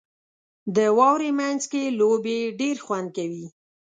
• د واورې مینځ کې لوبې ډېرې خوند کوي.